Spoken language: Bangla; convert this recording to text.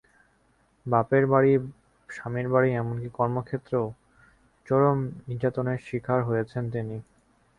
বাপের বাড়ি, স্বামীর বাড়ি, এমনকি কর্মক্ষেত্রেও চরম নির্যাতনের শিকার হয়েছেন তিনি।